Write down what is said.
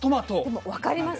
でも分かります。